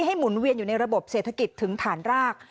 หมุนเวียนอยู่ในระบบเศรษฐกิจถึงฐานราก